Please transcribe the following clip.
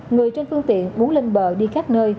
người trên phương tiện muốn lên bờ đi khắp nơi